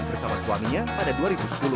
bersama suaminya pada dua ribu sepuluh